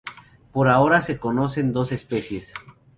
Por ahora se conocen dos especies.